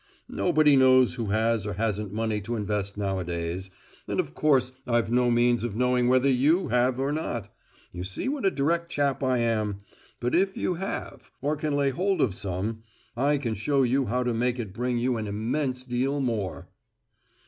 Nobody knows who has or hasn't money to invest nowadays, and of course I've no means of knowing whether you have or not you see what a direct chap I am but if you have, or can lay hold of some, I can show you how to make it bring you an immense deal more."